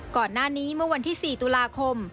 ก่อนหน้านี้เมื่อวันที่๔ตุลาคม